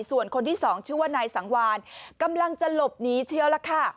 ส่วนคนที่สองชื่อว่านายสังวานกำลังจะหลบหนีเชียวล่ะค่ะ